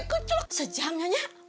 kecelok sejam nyanya